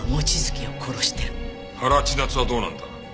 原千夏はどうなんだ？